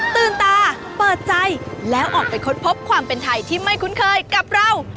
ตื่นตาเปิดใจแล้วออกไปค้นพบความเป็นไทยที่ไม่คุ้นเคยกับเรา